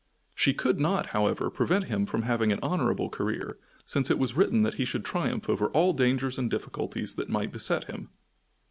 She could not, however, prevent him from having an honorable career, since it was written that he should triumph over all dangers and difficulties that might beset him.